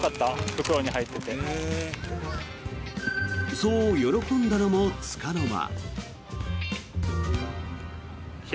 そう喜んだのもつかの間。